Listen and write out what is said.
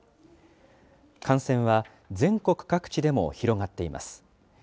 感染は全国各地でも広がっています。